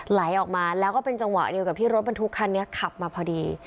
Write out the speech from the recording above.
ไหลออกมาแล้วก็เป็นจังหวะเดียวกับที่รถบรรทุกคันนี้ขับมาพอดี